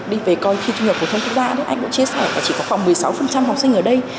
đi về coi thi trung học của thân quốc gia anh cũng chia sẻ chỉ có khoảng một mươi sáu học sinh ở đây